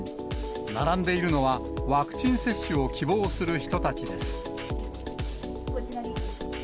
並んでいるのは、ワクチン接種を希望する人たちです。